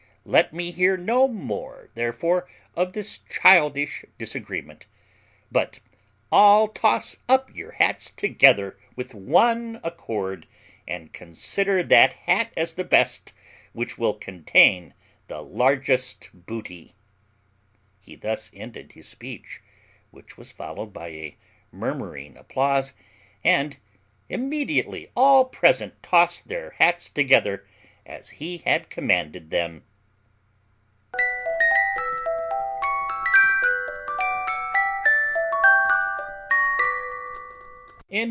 Let me hear no more therefore of this childish disagreement, but all toss up your hats together with one accord, and consider that hat as the best, which will contain the largest booty." He thus ended his speech, which was followed by a murmuring applause, and immediately all present tossed their hats together as he had commanded them.